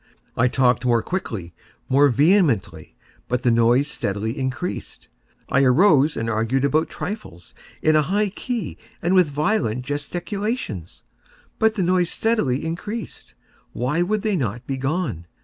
I talked more quickly—more vehemently; but the noise steadily increased. I arose and argued about trifles, in a high key and with violent gesticulations; but the noise steadily increased. Why would they not be gone?